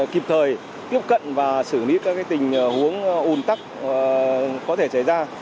kịp thời tiếp cận và xử lý các tình huống ủn tắc có thể xảy ra